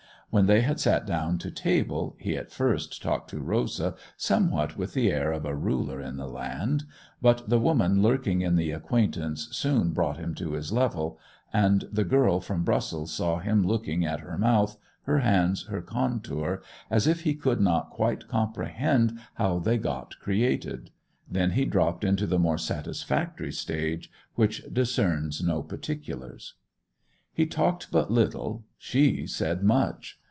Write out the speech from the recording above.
When they had sat down to table he at first talked to Rosa somewhat with the air of a ruler in the land; but the woman lurking in the acquaintance soon brought him to his level, and the girl from Brussels saw him looking at her mouth, her hands, her contour, as if he could not quite comprehend how they got created: then he dropped into the more satisfactory stage which discerns no particulars. He talked but little; she said much.